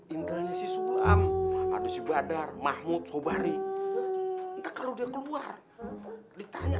indelnya sih sulaam ada si badar mahmud sobari kalau dia keluar ditanya